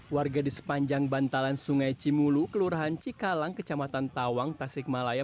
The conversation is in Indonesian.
warga di sepanjang bantalan sungai cimulu kelurahan cikalang kecamatan tawang tasikmalaya